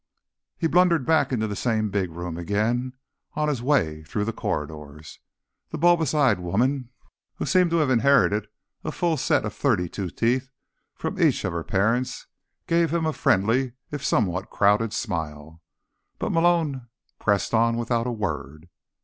He blundered back into the same big room again, on his way through the corridors. The bulbous eyed woman, who seemed to have inherited a full set of thirty two teeth from each of her parents, gave him a friendly if somewhat crowded smile, but Malone pressed on without a word.